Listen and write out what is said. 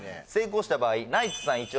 成功した場合ナイツさん